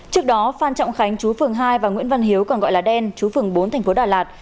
trước đó phan trọng khánh chú phường hai và nguyễn văn hiếu còn gọi là đen chú phường bốn thành phố đà lạt